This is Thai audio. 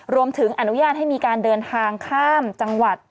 รวมถึงอนุญาตให้มีการเดินทางข้ามจังหวัด